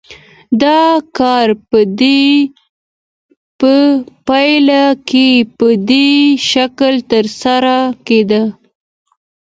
دا کار په پیل کې په دې شکل ترسره کېده